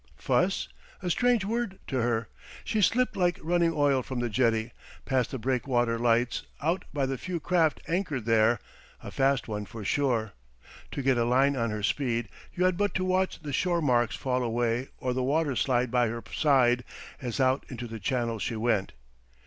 Fuss? A strange word to her. She slipped like running oil from the jetty, past the breakwater lights, out by the few craft anchored there a fast one for sure. To get a line on her speed, you had but to watch the shore marks fall away or the water slide by her side as out into the Channel she went.